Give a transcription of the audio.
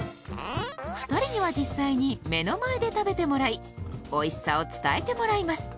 ２人には実際に目の前で食べてもらい美味しさを伝えてもらいます。